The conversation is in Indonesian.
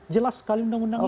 jelas sekali undang undang